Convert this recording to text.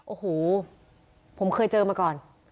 โอ้โหผมเคยเจอมาก่อน